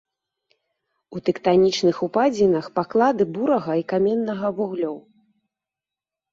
У тэктанічных упадзінах паклады бурага і каменнага вуглёў.